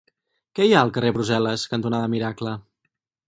Què hi ha al carrer Brussel·les cantonada Miracle?